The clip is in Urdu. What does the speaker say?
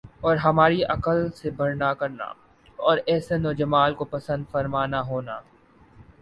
اور ہماری عقل سے بڑھنا کرنا اور حسن و جمال کو پسند فرمانا ہونا